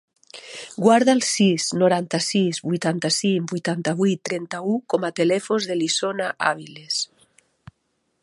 Guarda el sis, noranta-sis, vuitanta-cinc, vuitanta-vuit, trenta-u com a telèfon de l'Isona Aviles.